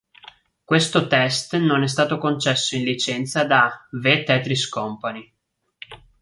Questo test non è stato concesso in licenza da The Tetris Company.